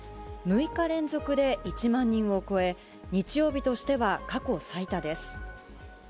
６日連続で１万人を超え、日曜日としては過去最多です。